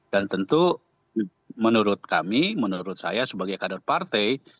dan tentu menurut kami menurut saya sebagai kader partai